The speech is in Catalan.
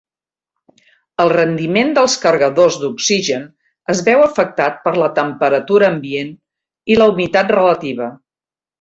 El rendiment dels cargadors d'oxigen es veu afectat per la temperatura ambient i la humitat relativa.